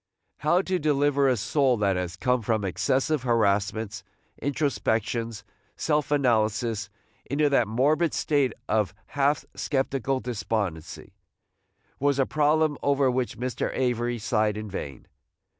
How to deliver a soul that has come from excessive harassments, introspections, self analysis, into that morbid state of half sceptical despondency, was a problem over which Mr. Avery sighed in vain.